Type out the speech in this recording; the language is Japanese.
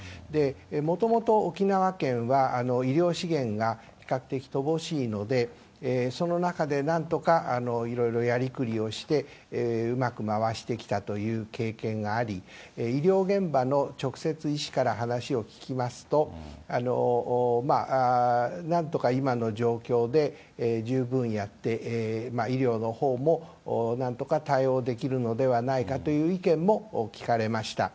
もともと沖縄県は医療資源が比較的乏しいので、その中でなんとかいろいろやりくりをして、うまく回してきたという経験があり、医療現場の直接、医師から話を聞きますと、なんとか今の状況で十分やって、医療のほうも、なんとか対応できるのではないかという意見も聞かれました。